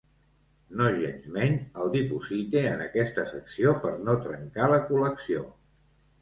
Nogensmenys, el diposite en aquesta secció per no trencar la col·lecció.